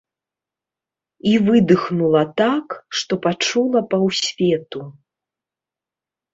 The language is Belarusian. І выдыхнула так, што пачула паўсвету.